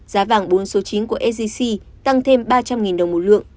giá vàng bốn số chín của sgc tăng thêm ba trăm linh đồng một lượng